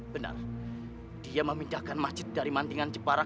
benar dia memindahkan masjid dari mantingan jepara